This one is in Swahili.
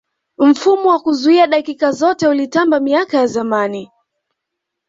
mfumo wa kuzuia dakika zote ulitamba miaka ya zamani